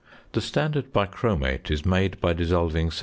The standard "bichromate" is made by dissolving 17.